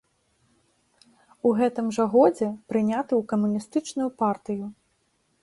У гэтым жа годзе прыняты ў камуністычную партыю.